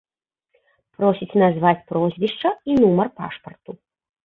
Просіць назваць прозвішча і нумар пашпарту.